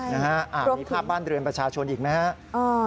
มีภาพบ้านเรือนประชาชนอีกไหมครับ